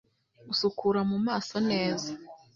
usukura mu maso neza